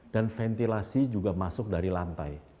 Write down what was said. ventilasi juga masuk dari lantai